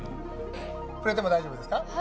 触れても大丈夫ですか？